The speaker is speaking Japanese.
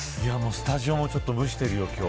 スタジオもちょっと蒸してるよ、今日。